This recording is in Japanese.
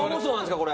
これ。